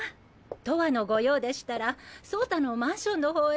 とわのご用でしたら草太のマンションの方へ。